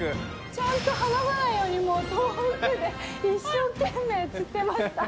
ちゃんと離さないようにもう遠くで一生懸命釣ってました。